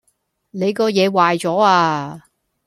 你個野壞左呀